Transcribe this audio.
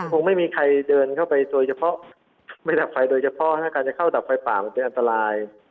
คงไม่มีใครเดินเข้าไปโดยเฉพาะไม่ดับไฟโดยเฉพาะถ้าการจะเข้าดับไฟป่ามันเป็นอันตราย